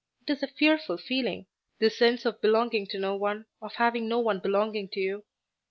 It is a fearful feeling, this sense of belonging to no one, of having no one belonging to you.